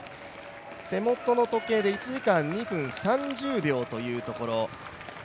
手元の時計で１時間２分３０秒というところ。